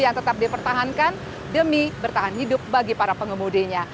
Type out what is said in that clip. yang tetap dipertahankan demi bertahan hidup bagi para pengemudinya